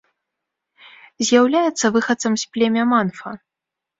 З'яўляецца выхадцам з племя манфа.